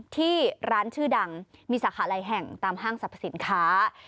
ที่ร้านชื่อดังมีสาขาหลายแห่งตามห้างสรรพสินค้า